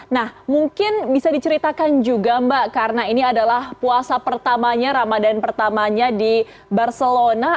nah mungkin bisa diceritakan juga mbak karena ini adalah puasa pertamanya ramadan pertamanya di barcelona